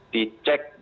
bisa nggak di take down